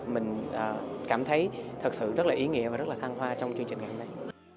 mình cảm thấy thật sự rất là ý nghĩa và rất là khang hoa trong chương trình ngày hôm nay